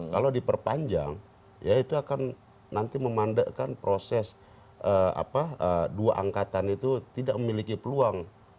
kalau diperpanjang ya itu akan nanti memandekan proses dua angkatan itu tidak memiliki peluang